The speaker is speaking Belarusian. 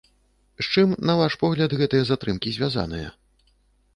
З чым, на ваш погляд, гэтыя затрымкі звязаныя?